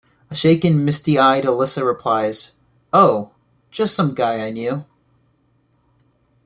A shaken, misty-eyed Alyssa replies, Oh, just some guy I knew.